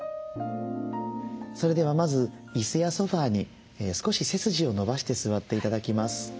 それではまずいすやソファーに少し背筋を伸ばして座って頂きます。